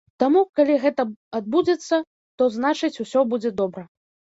Таму, калі гэта адбудзецца, то значыць, усё будзе добра.